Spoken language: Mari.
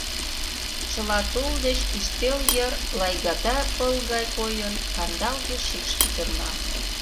Чыра тул деч ӱстел йыр, лайгата пыл гай койын, кандалге шикш пӱтырна.